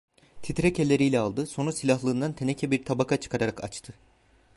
Titrek elleriyle aldı, sonra silahlığından teneke bir tabaka çıkararak açtı.